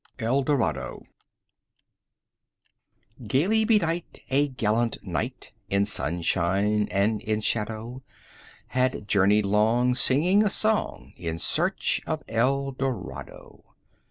ELDORADO Gayly bedight, A gallant knight, In sunshine and in shadow, Had journeyed long, Singing a song, 5 In search of Eldorado.